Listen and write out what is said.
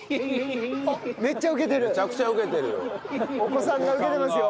めちゃくちゃウケてるよ！